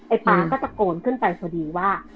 ป๊าก็ตะโกนขึ้นไปพอดีว่า